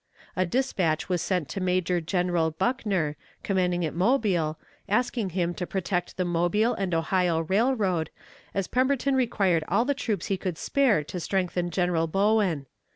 A dispatch was sent to Major General Buckner, commanding at Mobile, asking him to protect the Mobile and Ohio Railroad, as Pemberton required all the troops he could spare to strengthen General Bowen.